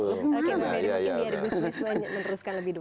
oke biar gue meneruskan lebih dulu